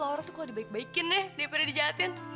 orang tuh kalo dibaik baikin deh daripada di jahatin